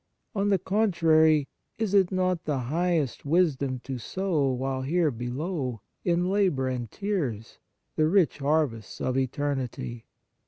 On the contrary, is it not the highest wisdom to sow, while here below, in labour and tears, the rich harvests of eternity